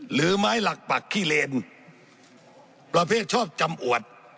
หรือไม้หลักปักขี้เลนประเภทชอบจำอวด